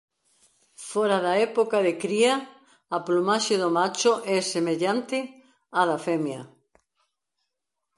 Fora da época de cría a plumaxe do macho é semellante á da femia.